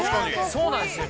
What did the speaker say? ◆そうなんですよ。